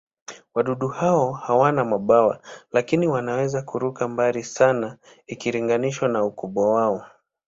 Wadudu hao hawana mabawa, lakini wanaweza kuruka mbali sana ikilinganishwa na ukubwa wao.